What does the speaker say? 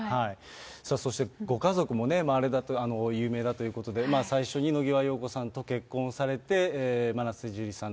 そしてご家族も有名だということで、最初に野際陽子さんと結婚されて、真瀬樹里さん。